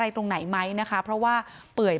ตามลำตัวก็ดูไม่ออกค่ะว่าถูกทำร้ายก่อนจะเสียชีวิตหรือเปล่า